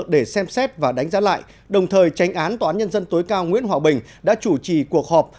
để xem xét và đánh giá lại đồng thời tránh án tòa án nhân dân tối cao nguyễn hòa bình đã chủ trì cuộc họp